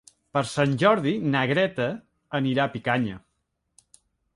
Per Sant Jordi na Greta anirà a Picanya.